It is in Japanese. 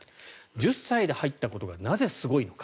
１０歳で入ったことがなぜ、すごいのか。